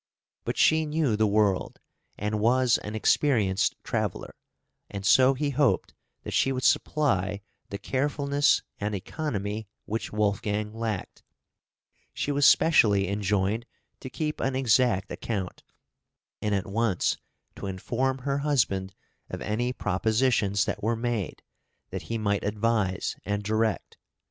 But she knew the world, and was an experienced traveller, and so he hoped that she would supply the carefulness and economy which Wolfgang lacked; she was specially enjoined to keep an exact account, and at once to inform her husband of any propositions that were made, that he might advise and direct.